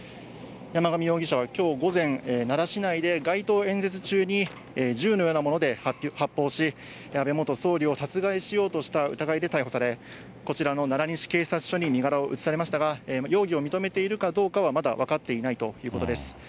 山上容疑者はきょう午前、奈良市内で街頭演説中に銃のようなもので発砲し、安倍元総理を殺害しようとした疑いで逮捕され、こちらの奈良西警察署に身柄を移されましたが、容疑を認めているかどうかはまだ分かっていないということです。